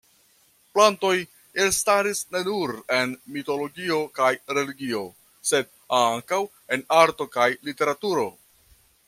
Plantoj elstaris ne nur en mitologio kaj religio sed ankaŭ en arto kaj literaturo.